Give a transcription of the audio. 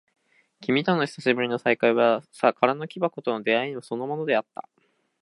君との久しぶりの再会は、空の木箱との出会いでもあった。